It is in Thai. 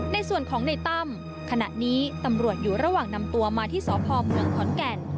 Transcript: ในส่วนของในตั้มขณะนี้ตำรวจอยู่ระหว่างนำตัวมาที่สพเมืองขอนแก่น